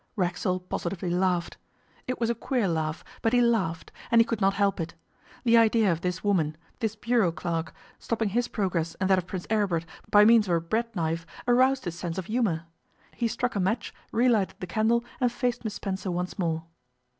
Racksole positively laughed. It was a queer laugh, but he laughed, and he could not help it. The idea of this woman, this bureau clerk, stopping his progress and that of Prince Aribert by means of a bread knife aroused his sense of humour. He struck a match, relighted the candle, and faced Miss Spencer once more.